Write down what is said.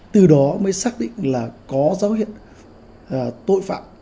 từ đó mới xác định là có giáo hiện tội phạm